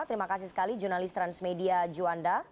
terima kasih sekali jurnalis transmedia juanda